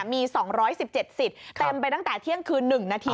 มี๒๑๗สิทธิ์เต็มไปตั้งแต่เที่ยงคืน๑นาที